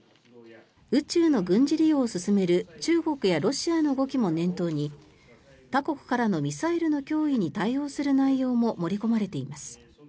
宇宙の軍事利用を進める中国やロシアの動きも念頭に他国からのミサイルの脅威に対応する内容も盛り込まれています。